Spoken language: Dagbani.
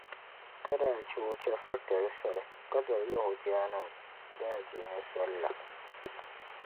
ka daa chɛ o chɛfiritali soli ka doli Yɛhudianim’ daadiini soli la.